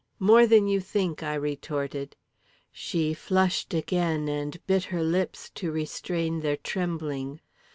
"More than you think," I retorted. She flushed again, and bit her lips to restrain their trembling.